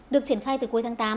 được triển khai từ cuối tháng tám